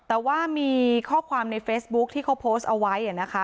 แต่ว่ามีข้อความในเฟซบุ๊คที่เขาโพสต์เอาไว้นะคะ